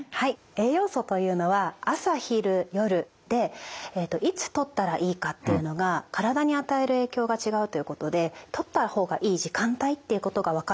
栄養素というのは朝昼夜でいつとったらいいかっていうのが体に与える影響が違うということでとった方がいい時間帯っていうことが分かってきたんですね。